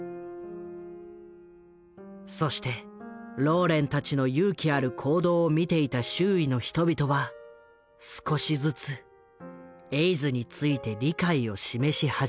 そしてローレンたちの勇気ある行動を見ていた周囲の人々は少しずつエイズについて理解を示し始める。